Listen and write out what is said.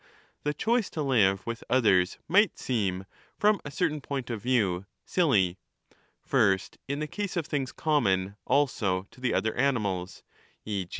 The choice to live with others might seem, from a certain point of view, silly — (first, in the case of things common also to the other animals, e.